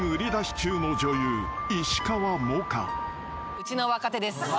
うちの若手です。